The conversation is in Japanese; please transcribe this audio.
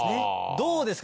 どうですか？